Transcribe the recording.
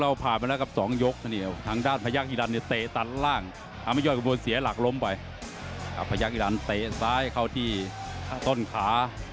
อัพยักษ์อิรันต์เตะซ้ายเข้าที่ต้นขา